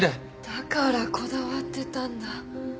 だからこだわってたんだ。